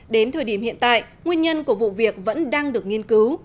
đến thời điểm hiện tại nguyên nhân của vụ việc vẫn đang được nghiên cứu